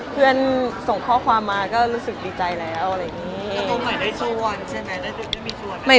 เพื่อนส่งข้อความมาก็รู้สึกดีใจเลยแล้วอะไรเงี้ย